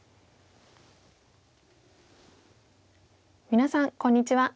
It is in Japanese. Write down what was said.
皆さんこんにちは。